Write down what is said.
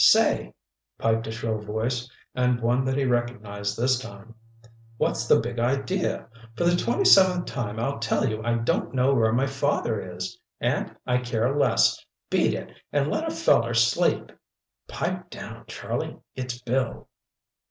"Say!" piped a shrill voice, and one that he recognized this time. "What's the big idea? For the twenty seventh time I'll tell you I don't know where my father is—and I care less. Beat it, and let a feller sleep!" "Pipe down, Charlie, it's Bill!"